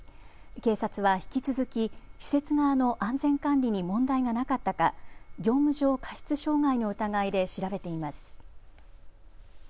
警察は引き続き施設側の安全管理に問題がなかったか業務上過失傷害の疑いで調べています。